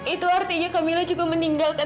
itu artinya kak mila juga meninggalkan kak fadil